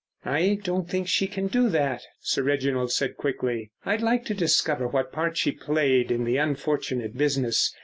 "I don't think she can do that," Sir Reginald said quickly. "I'd like to discover what part she played in the unfortunate business.